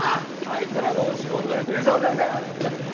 あいつらが落ち込んだら桐沢先生あっいない。